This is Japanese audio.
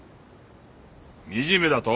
惨めだと？